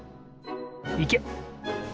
いけ！